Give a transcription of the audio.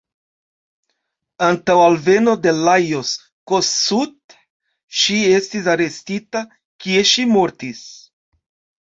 Antaŭ alveno de Lajos Kossuth ŝi estis arestita, kie ŝi mortis.